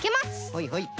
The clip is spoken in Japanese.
はいはい。